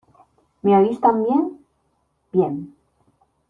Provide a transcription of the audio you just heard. ¿ Me oís también? Bien.